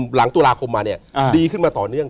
หลังตุลาคมมาเนี่ยดีขึ้นมาต่อเนื่อง